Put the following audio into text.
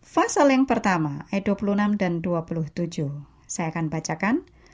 pasal yang pertama aya dua puluh enam dan dua puluh tujuh saya akan bacakan